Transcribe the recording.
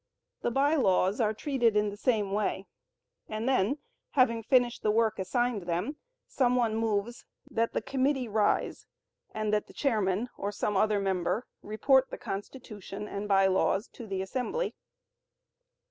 The By Laws are treated in the same way, and then, having finished the work assigned them, some one moves, "That the committee rise, and that the chairman (or some other member) report the Constitution and By Laws to the assembly."